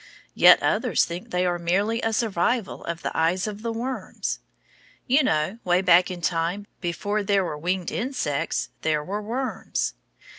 Yet others think they are merely a "survival" of the eyes of the worms. You know, way back in time, before there were winged insects there were worms.